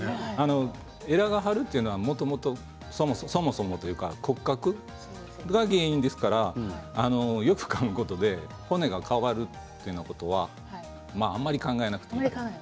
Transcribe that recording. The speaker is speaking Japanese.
えらが張るというのはそもそも骨格が原因ですからよくかむことで骨が変わるということはあまり考えなくてもいいです。